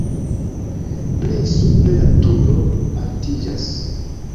Plej supre la turo altiĝas.